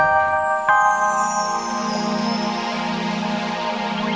nanti aku datang